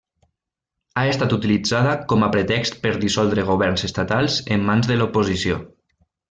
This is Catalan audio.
Ha estat utilitzada com a pretext per dissoldre governs estatals en mans de l’oposició.